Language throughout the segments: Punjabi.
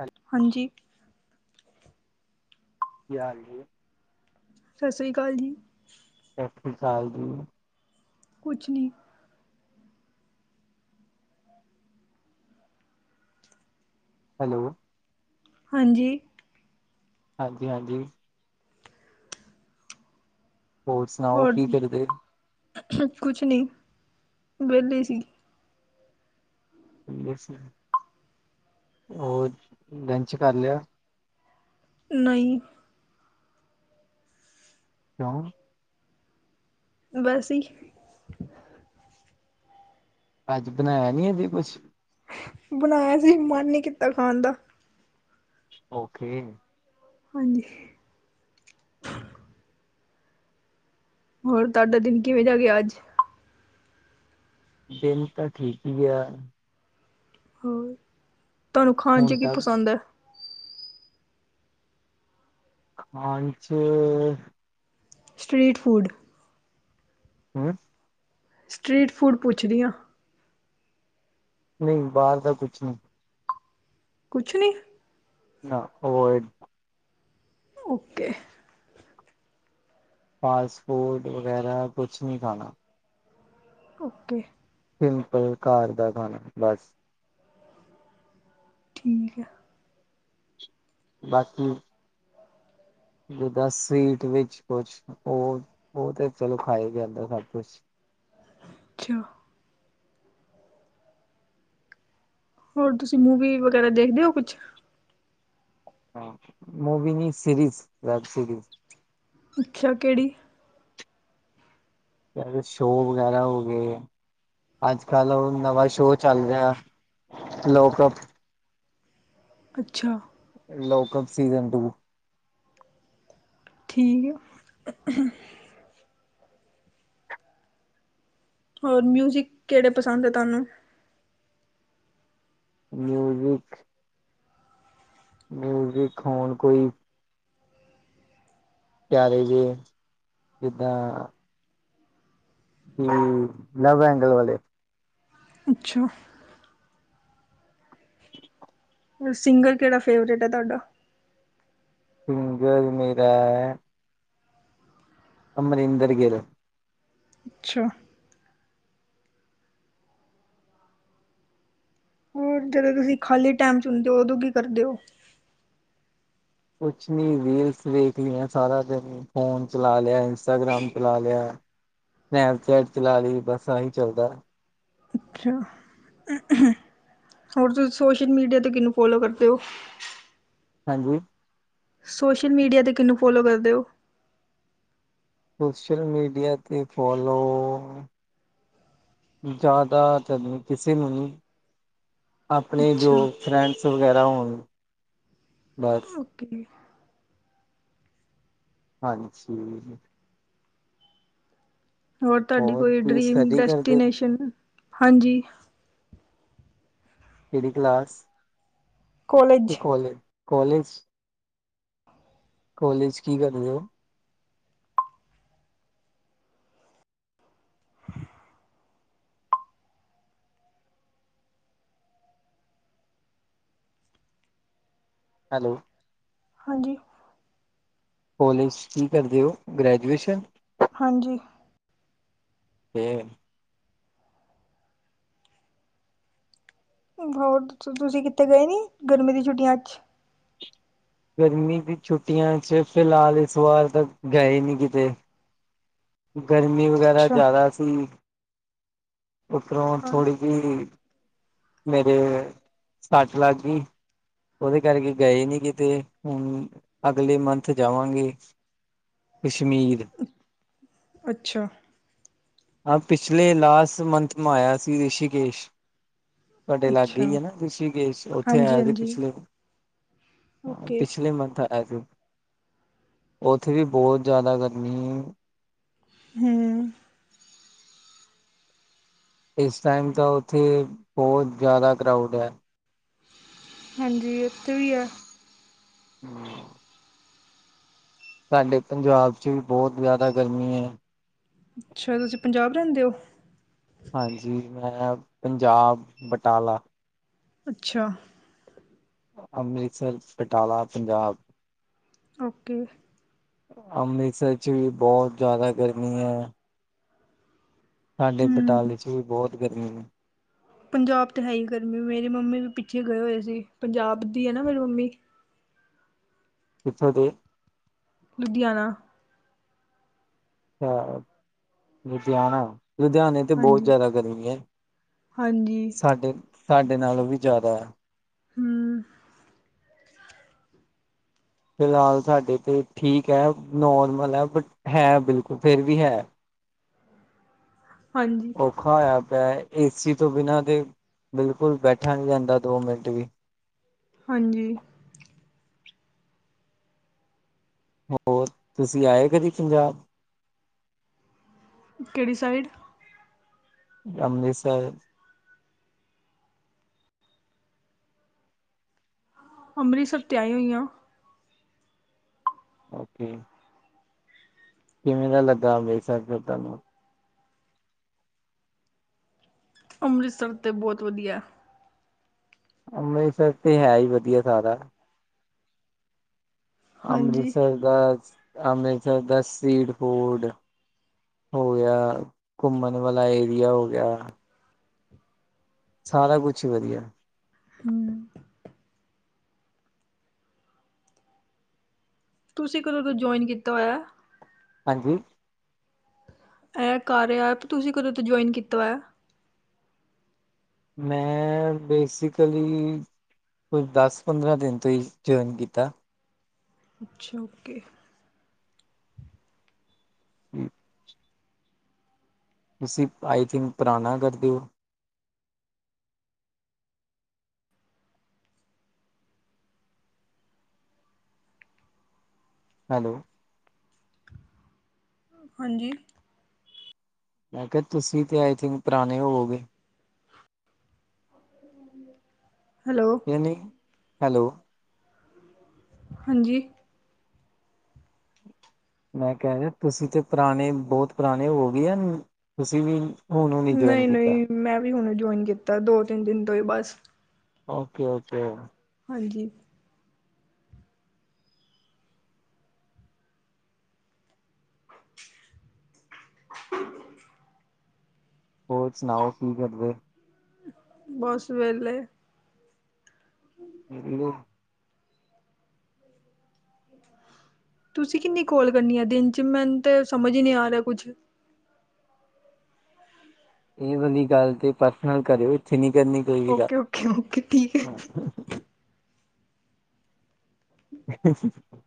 ਹਾਂਜੀ ਹਾਂਜੀ [unintelligible] ਸਤਿ ਸ਼੍ਰੀ ਅਕਾਲ ਜੀ ਸਤਿ ਸ਼੍ਰੀ ਅਕਾਲ ਜੀ ਕੁਛ ਨਹੀਂ ਹੈਲੋ ਹਾਂਜੀ ਹਾਂਜੀ ਹਾਂਜੀ ਹੋਰ ਸੁਣਾਓ ਕੀ ਕਰਦੇ ਕੁਛ ਨਹੀਂ ਵਿਹਲੇ ਸੀ [unintelligible] ਹੋਰ ਲੰਚ ਕਰ ਲਿਆ ਨਹੀਂ ਕਿਉਂ ਵੈਸੇ ਈ ਅੱਜ ਬਣਾਇਆ ਨੀ ਅਜੇ ਕੁਛ ਬਣਾਇਆ ਸੀ ਮਨ ਨਹੀਂ ਕੀਤਾ ਖਾਣ ਦਾ ਓਕੇ ਹਾਂਜੀ ਹੋਰ ਤੁਹਾਡਾ ਦਿਨ ਕਿਵੇਂ ਜਾ ਗਿਆ ਅੱਜ ਦਿਨ ਤਾਂ ਠੀਕ ਹੀ ਆ ਹੋਰ ਤੁਹਾਨੂੰ ਖਾਣ ਚ ਹੁਣ ਕੀ ਤਾਂ ਪਸੰਦ ਏ ਖਾਂਚ ਸਟ੍ਰਰੀਟ ਫੂਡ ਹਮ ਸਟਰੀਟ ਫੂਡ ਪੁੱਛਦੀ ਹਾਂ ਨਹੀਂ ਬਾਹਰ ਦਾ ਕੁਛ ਨਹੀਂ ਕੁਛ ਨਹੀਂ ਨਾ ਉਵੋਇਡ ਓਕੇ ਫਾਸਟ ਫੂਡ ਵਗੈਰਾ ਕੁਛ ਨਹੀਂ ਖਾਣਾ ਓਕੇ ਸਿੰਪਲ ਘਰ ਦਾ ਖਾਣਾ ਬਸ ਠੀਕ ਹੈ ਬਾਕੀ ਜਿੱਦਾਂ ਸਵੀਟ ਵਿੱਚ ਕੁਛ ਉਹ ਉਹ ਤੇ ਚਲੋ ਖਾ ਜਾਂਦਾ ਸਭ ਕੁਛ [inaudible] ਹੋਰ ਤੁਸੀਂ ਮੂਵੀ ਵਗੈਰਾ ਦੇਖਦੇ ਹੋ ਕੁਛ ਹਾਂ ਮੂਵੀੀ ਸਰੀਜ਼ ਵੇਬ ਸਰੀਜ਼ ਅੱਛਾ ਕਿਹੜੀ ਸ਼ੋਅ ਵਗੈਰਾ ਹੋ ਗਏ ਅੱਜ ਕੱਲ ਉਹ ਨਵਾਂ ਸ਼ੋਅ ਚੱਲ ਰਿਹਾ ਲੋਕਪ ਅੱਛਾ ਲੋਕ ਕਪ ਸੀਸਨ ਟੂ ਠੀਕ ਹੋਰ ਮਿਊਜ਼ਿਕ ਕਿਹੜੇ ਪਸੰਦ ਹੈ ਤੁਹਾਨੂੰ ਮਿਊਜ਼ਿਕ ਮੀਊਜ਼ਿਕ ਹੋਣ ਕੋਈ ਵੀ ਜਿੱਦਾਂ ਲਵ ਐਂਗਲ ਵਾਲੇ ਅੱਛਾ ਸਿੰਗਰ ਕਿਹੜਾ ਫੇਵਰੇਟ ਹੈ ਤੁਹਾਡਾ ਸਿੰਗਰ ਮੇਰਾ ਹੈ ਅਮਰਿੰਦਰ ਗਿਲ ਅੱਛਾ ਹੋਰ ਜਦੋਂ ਤੁਸੀਂ ਖਾਲੀ ਟਾਈਮ ਚ ਹੁੰਦੇ ਹੋ ਉਦੋਂ ਕੀ ਕਰਦੇ ਹੋ ਕੁਛ ਨੀ ਰੀਲਸ ਵੇਖਣੀ ਹੈ ਸਾਰਾ ਦਿਨੀ ਫੋਨ ਚਲਾ ਲਿਆ ਇੰਸਟਾਗ੍ਰਾਮ ਚਲਾ ਲਿਆ। ਸਨੈਪ ਚੈਟ ਚਲਾ ਲਈ ਬਸ ਇਹੀ ਚੱਲਦਾ ਅੱਛਾ ਹੋਰ ਤੁਸੀਂ ਸੋਸ਼ਲ ਮੀਡੀਆ 'ਤੇ ਕਿਹਨੂੰ ਫੋਲੋ ਕਰਦੇ ਹੋ ਹਾਂਜੀ ਸੋਸ਼ਲ ਮੀਡੀਆ ਤੇ ਕਿਹਨੂੰ ਫੋਲੋ ਕਰਦੇ ਹੋ ਸੋਸ਼ਲ ਮੀਡੀਆ 'ਤੇ ਫੋਲੋ ਜ਼ਿਆਦਾਤਰ ਨਹੀਂ ਕਿਸੇ ਨੂੰ ਨਹੀਂ ਆਪਣੇ ਜੋ ਅੱਛਾ, ਫਰੈਂਡਸ ਵਗੈਰਾ ਹੋਣ ਬਸ ਓਕੇ ਹਾਂਜੀ ਹੋਰ ਤੁਹਾਡੀ ਕੋਈ ਤੁਸੀਂ ਡ੍ਰੀਮ ਸਟੱਡੀ ਕਰਦੇ ਹੋ ਡੈਸਟੀਨੇਸ਼ਨ ਹਾਂਜੀ ਕਿਹੜੀ ਕਲਾਸ ਅਤੇ ਕੋਲਜ ਕਾਲਜ ਕਲੇਜ ਕੀ ਕਰਦੇ ਹੋ [inaudible] ਹੈਲੋ ਹਾਂਜੀ ਕੋਲੇਜ 'ਚ ਕੀ ਕਰਦੇ ਹੋ ਗ੍ਰੈਜੂਏਸ਼ਨ ਹਾਂਜੀ ਅਤੇ ਹੋਰ ਤੁਸੀਂ ਕਿੱਤੇ ਗਏ ਨੀ ਗਰਮੀ ਦੀ ਛੁੱਟੀਆਂ ਅੱਜ ਗਰਮੀ ਦੀ ਛੁੱਟੀਆਂ ਚ ਫਿਲਹਾਲ ਇਸ ਵਾਰ ਤਾਂ ਗਏ ਨੀ ਕਿਤੇ ਗਰਮੀ ਵਗੈਰਾ ਅੱਛਾ। ਜ਼ਿਆਦਾ ਸੀ ਉੱਪਰੋਂ ਹਾਂ। ਥੋੜ੍ਹੀ ਜਿਹੀ ਮੇਰੇ ਸੱਚ ਲੱਗ ਗਈ ਉਹਦੇ ਕਰਕੇ ਗਏ ਨੀ ਕਿਤੇ ਹੁਣ ਅਗਲੇ ਮੰਥ ਜਾਵਾਂਗੇ ਕਸ਼ਮੀਰ ਅੱਛਾ ਹਾਂ, ਪਿਛਲੇ ਲਾਸਟ ਮੰਥ ਮ ਆਇਆ ਸੀ ਰਿਸ਼ੀਕੇਸ਼। ਤੁਹਾਡੇ ਲਾਗੇ ਈ ਅੱਛਾ। ਹੈ ਨਾ ਰਿਸ਼ੀਕੇਸ਼, ਔਥੇ ਹਾਂਜੀ, ਆਇਆ ਸੀ ਹਾਂਜੀ ਪਿਛਲੇ ਓਕੇ। ਪਿਛਲੇ ਮੰਥ ਆਇਆ ਸੀ। ਔਥੇ ਵੀ ਬਹੋਤ ਜਾਦਾ ਗਰਮੀ ਹੂੰ। ਇਸ ਟਾਈਮ ਤਾਂ ਔਥੇ, ਬਹੋਤ ਜਾਦਾ ਕਰਾਊਡ ਐ। ਹਾਂਜੀ ਉੱਥੇ ਵੀ ਆ ਹਮ ਸਾਡੇ ਪੰਜਾਬ ' ਚ ਵੀ ਬਹੁਤ ਜ਼ਿਆਦਾ ਗਰਮੀ ਹੈ। ਅੱਛਾ ਤੁਸੀਂ ਪੰਜਾਬ ਰਹਿੰਦੇ ਹੋ ਹਾਂਜੀ ਮੈਂ ਪੰਜਾਬ ਬਟਾਲਾ ਅੱਛਾ ਅੰਮ੍ਰਿਤਸਰ ਬਟਾਲਾ ਪੰਜਾਬ ਓਕੇ ਅੰਮ੍ਰਿਤਸਰ ਚ ਵੀ ਬਹੁਤ ਜ਼ਿਆਦਾ ਗਰਮੀ ਹੈ ਸਾਡੇ ਹਮ ਬਟਾਲੇ ਚ ਵੀ ਬਹੁਤ ਗਰਮੀ ਨੇ ਪੰਜਾਬ ਤੇ ਹੈ ਹੀ ਗਰਮੀ ਮੇਰੀ ਮੰਮੀ ਵੀ ਪਿੱਛੇ ਗਏ ਹੋਏ ਸੀ ਪੰਜਾਬ ਦੀ ਹੈ ਨਾ ਮੇਰੀ ਮੰਮੀ ਕਿੱਥੋ ਦੇ? ਲੁਧਿਆਣਾ। ਅੱਛਾ, ਲੁਧਿਆਣਾ, ਲੁਧਿਆਣੇ ਤੇ ਬਹੋਤ ਹਾਂਜੀ ਜਾਦਾ ਗਰਮੀ ਏ, ਹਾਂਜੀ ਸਾਡੇ, ਸਾਡੇ ਨਾਲੋਂ ਵੀ ਜਾਦਾ ਏ। ਹੂੰ। ਫਿਲਹਾਲ ਸਾਡੇ ਏਥੇ ਠੀਕ ਹੈ। ਨੋਰਮਲ ਹੈ। ਬਟ ਹੈ ਬਿਲਕੁਲ, ਫੇਰ ਵੀ ਹੈ। ਹਾਂਜੀ। ਹੋਆ ਪਿਆ ਏ, ਏ ਸੀ ਤੋਂ ਬਿਨਾਂ ਤੇ, ਬਿਲਕੁਲ ਬੈਠਾ ਨਈ ਜਾਂਦਾ, ਦੋ ਮਿੰਟ ਵੀ। ਹਾਂਜੀ। ਹੋਰ, ਤੁਸੀਂ ਆਏ ਕਦੀ ਪੰਜਾਬ? ਕੇਹੜੀ ਸਾਈਡ? ਅੰਮ੍ਰਿਤਸਰ। ਅੰਮ੍ਰਿਤਸਰ ਤੇ ਆਈ ਹੋਈ ਆਂ। ਓਕੇ। ਕਿਵੇਂ ਦਾ ਲੱਗਾ ਅੰਮ੍ਰਿਤਸਰ ਫਿਰ ਤੁਹਾਨੂੰ? ਅੰਮ੍ਰਿਤਸਰ ਤੇ ਬਹੋਤ ਵਧੀਆ ਏ। ਅੰਮ੍ਰਿਤਸਰ ਤੇ ਹੈ ਈ ਵਧੀਆ ਸਾਰਾ। ਹਾਂਜੀ ਅੰਮ੍ਰਿਤਸਰ ਦਾ, ਅੰਮ੍ਰਿਤਸਰ ਦਾ ਸੀਡ ਫੂਡ। ਹੋ ਗਿਆ, ਘੁੰਮਣ ਵਾਲਾ ਏਰੀਆ ਹੋ ਗਿਆ। ਸਾਰਾ ਕੁਛ ਹੀ ਵਧੀਆ ਏ। ਹੂੰ। ਤੁਸੀਂ ਕਦੋਂ ਦਾ ਜੋਇਨ ਕੀਤਾ ਹੋਇਆ? ਹਾਂਜੀ? ਏਹ ਕਾਰਆ ਐਪ, ਤੁਸੀਂ ਕਦੋਂ ਤੋਂ ਜੁਆਇਨ ਕੀਤਾ ਹੋਇਆ? ਮੈਂ ਬੇਸਿਕਲੀ ਕੋਈ ਦਸ, ਪੰਦਰਾਂ ਦਿਨ ਤੋਂ ਈ ਜੁਆਇਨ ਕੀਤਾ। ਅੱਛਾ, ਓਕੇ। ਹੂੰ। ਤੁਸੀਂ ਆਈ ਥਿੰਕ, ਪਰਾਣਾ ਕਰ ਦੇ ਔ? ਹੈਲੋ। ਹਾਂਜੀ। ਮੈਂ ਕਿਹਾ, ਤੁਸੀਂ ਤੇ ਆਈ ਥਿੰਕ ਪੁਰਾਣੇ ਹੋਵੋਗੇ? ਹੈਲੋ। ਕੇ ਨਈ, ਹੈਲੋ। ਹਾਂਜੀ। ਮੈਂ ਕਹਿ ਰਿਆ ਤੁਸੀਂ ਤੇ ਪੁਰਾਣੇ ਬੌਤ ਪੁਰਾਣੇ ਹੋ ਗਏ ਆ ਤੁਸੀਂ ਵੀ ਹੁਣ ਹੁਣੀ ਜੁਆਇਨ ਨਹੀਂ ਕੀਤਾ ਨਹੀਂ, ਮੈਂ ਵੀ ਹੁਣ ਜੌਇਨ ਕੀਤਾ ਦੋ ਤਿੰਨ ਦਿਨ ਤੋਂ ਹੀ ਬਸ। Okay okay. ਹਾਂਜੀ। [inaudible] ਹੋਰ ਸੁਣਾਓ? ਕੀ ਕਰਦੇ? ਬੱਸ ਵੇਲੇ। [inaudible] [unintelligible] [inaudible] ਤੁਸੀਂ ਕਿੰਨੀ ਕੋਲ ਕਰਨੀ ਐ ਦਿਨ ਚ? ਮੇਨ ਤੇ ਸਮਝ ਈ ਨੀ ਆ ਰਿਆ ਕੁਛ? ਏਹ ਵਾਲੀ ਗੱਲ ਤੇ ਪਰਸਨਲ ਕਰੇਓ, ਏਥੇ ਨੀ ਕਰਨੀ। ਕੋਈ ਵੀ ਗੱਲ ਓਕੇ-ਓਕੇ-ਓਕੇ, ਠੀਕ ਹੈ। [inaudible]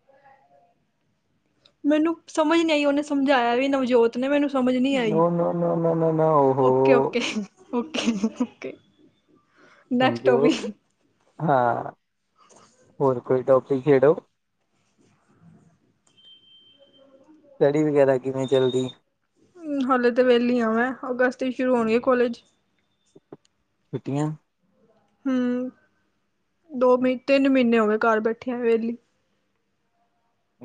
ਮੈਨੂੰ ਸਮਝ ਨਈ ਆਈ, ਉਹਨੇ ਸਮਝਾਇਆ ਵੀ ਨਵਜੋਤ ਨੇ ਮੈਨੂੰ ਸਮਝ ਨੀ ਆਈ no no no no no no okay ਹੋ ਓਕੇ ਓ ਓ ਸਮਝੋ ਹਾਂ ਹੋਰ ਕੋਈ ਟੋਪਿਕ ਛੇੜੋ ਸਟਡੀ ਵਗੈਰਾ ਕਿਵੇਂ ਚਲਦੀ ਹਾਲੇ ਤਾਂ ਵਿਹਲੀ ਆ ਵੈਂ ਅਗਸਤ ਹੀ ਸ਼ੁਰੂ ਹੋਣਗੇ ਕੋਲੇਜ ਛੁੱਟੀਆਂ। ਹੂੰ, ਦੋ ਮਹੀ ਤਿੰਨ ਮਹੀਨੇ ਹੋ ਗੇ ਘੱਰ ਬੈਠੇਆ ਵੇਲੀ।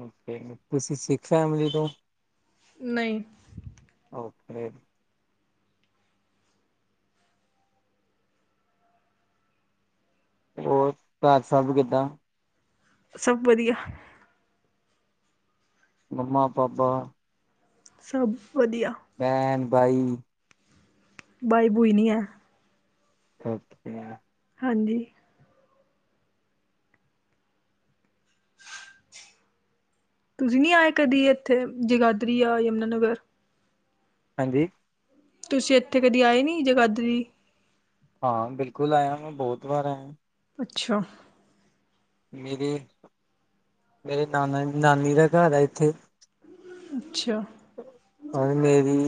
ਓਕੇ, ਤੁਸੀਂ ਸਿੱਖ ਫੈਮਿਲੀ ਤੋਂ? ਨਹੀਂ। ਓਕੇ। ਹੋਰ, ਘੱਰ ਸਬ ਵੀ ਕਿੱਦਾਂ? ਸਭ ਵਧੀਆ। ਮੰਮਾ-ਪਾਪਾ। ਸਭ ਵਧੀਆ। ਬੈਣ ਬਾਈ। ਬਾਈ ਬੂਈ ਨੀ ਐ। ਓਕੇ। ਹਾਂਜੀ। ਤੁਸੀਂ ਨੀ ਆਏ ਕਦੀ ਏਥੇ ਜਗਾਧਰੀ ਯਾ ਯਮੁਨਾ ਨਗਰ? ਹਾਂਜੀ। ਤੁਸੀਂ ਏਥੇ ਕਦੀ ਆਏ ਨੀ ਜਗਾਧਰੀ? ਹਾਂ, ਬਿਲਕੁਲ ਆਇਆ ਵਾ ਬੌਤ ਵਾਰ ਆਇਆ। ਪੁੱਛੋ। ਮੇਰੇ ਮੇਰੇ ਨਾਨਾ ਨਾਨੀ ਦਾ ਘਰ ਐ ਇੱਥੇ। ਅੱਛਾ। ਔਰ ਮੇਰੀ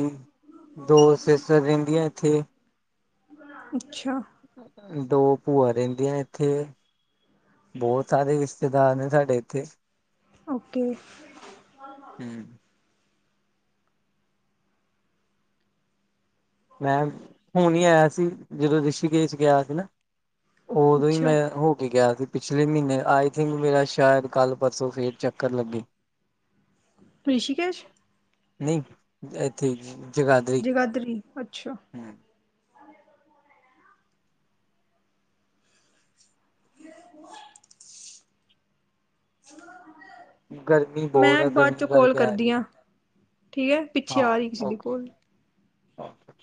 ਦੋ ਸਿਸ ਰਹਿੰਦੀਆਂ ਇੱਥੇ। ਅੱਛਾ। ਦੋ ਭੂਆ ਰੈੰਦੀਆਂ ਏਥੇ। ਬਹੁਤ ਸਾਰੇ ਰਿਸ਼ਤੇਦਾਰ ਨੇ ਸਾਡੇ ਇੱਥੇ। ਓਕੇ। ਹੂੰ। ਮੈਂ ਹੁਣ ਹੀ ਆਇਆ ਸੀ, ਜਦੋਂ ਰਿਸ਼ੀਕੇਸ਼ ਗਿਆ ਸੀ ਨਾ। ਓਦੋਂ ਹੀ ਅੱਛਾ ਮੈਂ ਹੋ ਕੇ ਗਿਆ ਸੀ। ਪਿਛਲੇ ਮੀਨੇ ਆਈ ਥਿੰਕ ਮੇਰਾ ਸ਼ਾਇਦ ਕੱਲ ਪਰਸੋਂ ਫੇਰ ਚੱਕਰ ਲੱਗੇ। ਰਿਸ਼ੀਕੇਸ਼। ਨਹੀਂ ਏਥੇ ਜਗਾ ਗਾਦਰੀ ਅੱਛਾ। ਹੂੰ। ਗਰਮੀ ਬਹੁਤ ਮੈਂ, ਆ ਬਾਦ ਗਰਮੀ ਚੋਂ ਕਾਲ ਕਰਕੇ ਆਇਆ ਕਰਦੀ ਨੀ ਆਂ, ਠੀਕ ਹੈ। ਪਿੱਛੇ, ਆ ਰਹੀ ਏ ਕਿਸੀ ਦੀ ਕਾਲ। ਆਛ